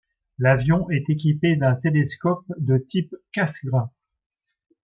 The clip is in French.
L'avion est équipé d'un télescope de type Cassegrain.